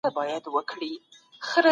هغه اتحادیې چې خلګ پکې راټولیږي مهمې دي.